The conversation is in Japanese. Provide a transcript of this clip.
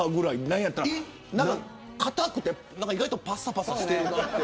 何やったら硬くて意外とパサパサしている。